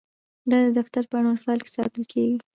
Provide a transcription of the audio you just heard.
دا د دفتر په اړونده فایل کې ساتل کیږي.